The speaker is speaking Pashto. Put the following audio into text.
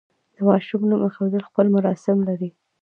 د ماشوم نوم ایښودل خپل مراسم لري.